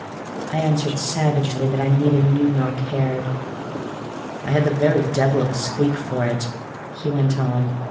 I answered savagely that I neither knew nor cared. "I had the very devil of a squeak for it," he went on.